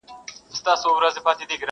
سلطنت یې له کشمیره تر دکن وو؛